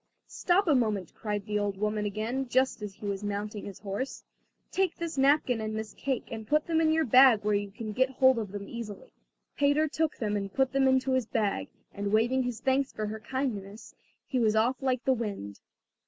"Stop a moment," cried the old woman again, just as he was mounting his horse, "take this napkin and this cake, and put them in your bag where you can get hold of them easily." Peter took them and put them into his bag, and waving his thanks for her kindness, he was off like the wind.